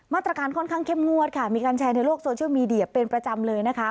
มาตรการค่อนข้างเข้มงวดค่ะมีการแชร์ในโลกโซเชียลมีเดียเป็นประจำเลยนะคะ